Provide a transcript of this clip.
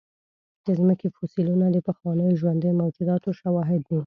د مځکې فوسیلونه د پخوانیو ژوندیو موجوداتو شواهد دي.